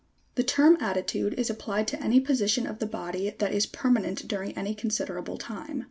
72. The term attitude is applied to any position of the body that is permanent during any considerable time.